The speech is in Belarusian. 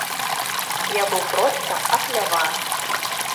Я быў проста апляваны.